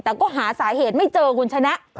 แต่ก็หาสาเหตุไม่เจอคุณชนะ